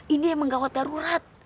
ini emang gawat darurat